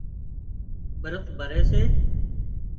ڀرت ڀري سي